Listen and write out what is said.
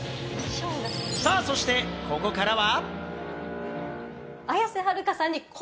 さぁ、そしてここからは。